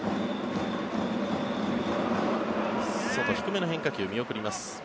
外、低めの変化球見送ります。